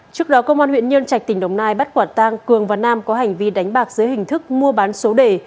trước đó công an huyện nhân trạch tỉnh đồng nai bắt quả tang cường và nam có hành vi đánh bạc dưới hình thức mua bán số đề